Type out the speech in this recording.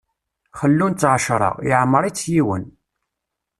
Xellun-tt ɛecṛa, yeɛmeṛ-itt yiwen.